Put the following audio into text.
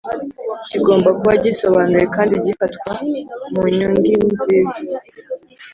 kigomba kuba gisobanuwe kandi gifatwa munyungin nziza